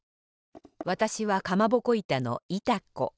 わたしはかまぼこいたのいた子。